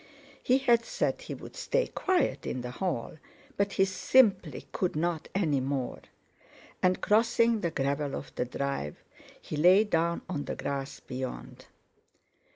He had said he would stay quiet in the hall, but he simply couldn't any more; and crossing the gravel of the drive he lay down on the grass beyond.